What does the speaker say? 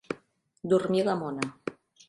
Dormir la mona.